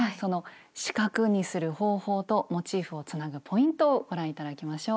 四角にする方法とモチーフをつなぐポイントをご覧頂きましょう。